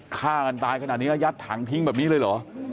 ฆ่ากันตายขนาดนี้ยัดถังทิ้งแบบนี้เลยเหรอ